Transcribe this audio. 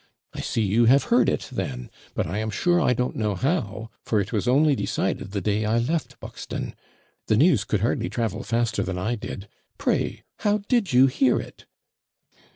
I see you have heard it, then but I am sure I don't know how; for it was only decided the day I left Buxton. The news could hardly travel faster than I did. Pray, how did you hear it?'